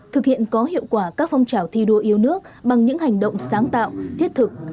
thực hiện có hiệu quả các phong trào thi đua yêu nước bằng những hành động sáng tạo thiết thực